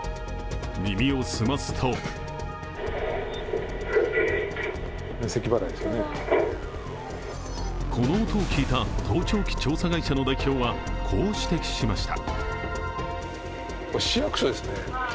耳を澄ますとこの音を聞いた盗聴器調査会社の代表はこう指摘しました。